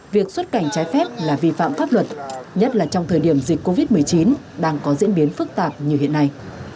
việc xuất cảnh trái phép là vi phạm pháp luật nhất là trong thời điểm dịch covid một mươi chín đang có diễn biến phức tạp như hiện nay